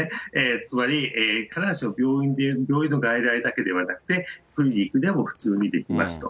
つまり、必ずしも病院の外来だけではなくて、クリニックでも普通にできますと。